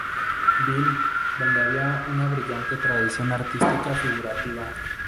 Bill, donde había una brillante tradición artística figurativa.